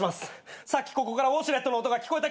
さっきここからウォシュレットの音が聞こえた気がしたんだ。